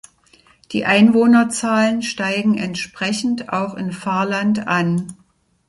Die Einwohnerzahlen steigen entsprechend auch in Fahrland an.